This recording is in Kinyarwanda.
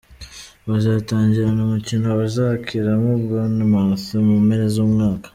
Bazatangirana umukino bazakiramo Bournemouth mu mpera z'umwaka.